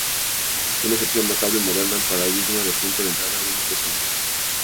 Una excepción notable moderna al paradigma-de punto de entrada único es Android.